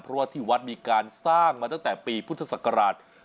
เพราะว่าที่วัดมีการสร้างมาตั้งแต่ปีพุทธศักราช๒๕